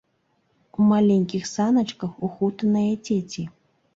У маленькіх саначках ухутаныя дзеці.